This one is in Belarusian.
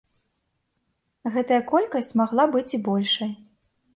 Гэтая колькасць магла быць і большай.